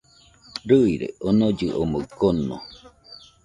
Rɨire onollɨ omɨ kono